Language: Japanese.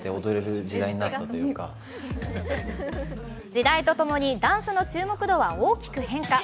時代とともにダンスの注目度は大きく変化。